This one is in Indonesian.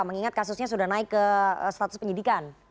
mengingat kasusnya sudah naik ke status penyidikan